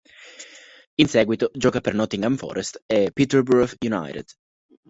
In seguito gioca per Nottingham Forest e Peterborough United.